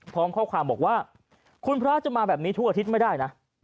พร้อมข้อความบอกว่าคุณพระจะมาแบบนี้ทุกอาทิตย์ไม่ได้นะ